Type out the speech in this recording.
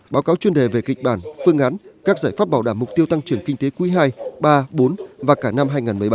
báo cáo chuyên đề về kịch bản phương án các giải pháp bảo đảm mục tiêu tăng trưởng kinh tế quý ii iii iv và cả năm hai nghìn một mươi bảy